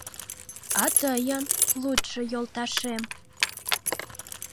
А тыйын, лудшо йолташем?